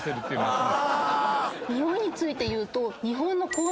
においについて言うと。